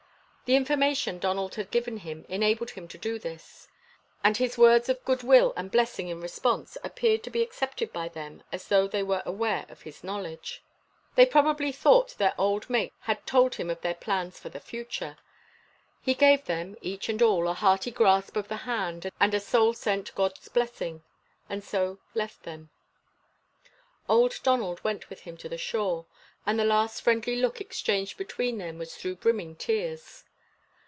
The information Donald had given him enabled him to do this. And his words of good will and blessing in response appeared to be accepted by them as though they were aware of his knowledge. They probably thought their old mate had told him of their plans for the future. He gave them, each and all, a hearty grasp of the hand and a soul sent God's blessing, and so he left them. Old Donald went with him to the shore; and the last friendly look exchanged between them was through brimming tears.